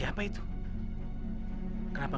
tidak ada diorang terserah